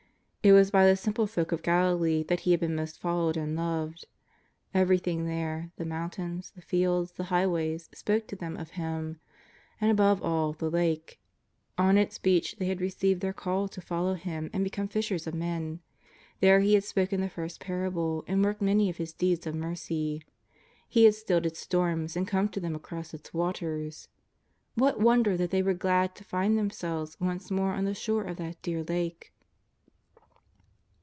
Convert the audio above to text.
It was by the simple folk of Galilee that He had been most followed and loved. Everything there — the mountains, the fields, the high ways — spoke to them of Him. And above all, the Lake. On its beach they had received their call to fol low Him and become fishers of men. There He had spoken the first parables and worked many of His deeds of mercy. He had stilled its storms and come to them across its waters. What wonder that they were glad to fijid themselves once more on the shores of that dear Lake!